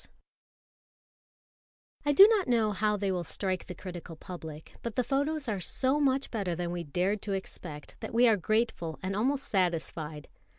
_)] I DO not know how they will strike the critical public, but the photos are so much better than we dared to expect, that we are grateful and almost satisfied.